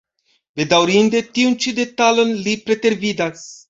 Bedaŭrinde, tiun ĉi detalon li pretervidas.